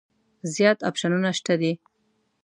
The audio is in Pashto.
زیات اپشنونه شته دي.